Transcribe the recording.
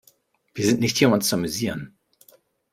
Wir sind nicht hier, um uns zu amüsieren.